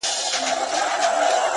• چي هر څو یې زور کاوه بند وه ښکرونه ,